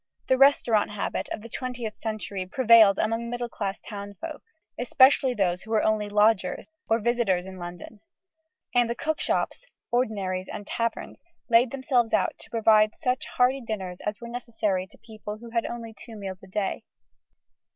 The "restaurant habit" of the twentieth century prevailed among middle class townsfolk especially those who were only lodgers, or visitors in London: and the cook shops, ordinaries, and taverns laid themselves out to provide such hearty dinners as were necessary to people who had only two meals a day.